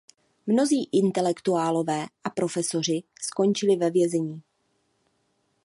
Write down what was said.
Mnozí intelektuálové a profesoři skončili ve vězení.